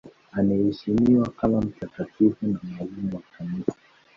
Anaheshimiwa kama mtakatifu na mwalimu wa Kanisa.